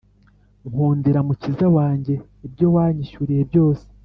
Ngukundira mukiza wanjye ibyo wanyishyuriye byose